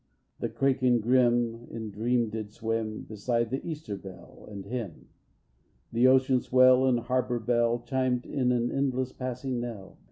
The kraken grim, in dream, did swim Beside the Easter Bell, and him. The ocean swell and harbor bell Chimed in an endless passing knell.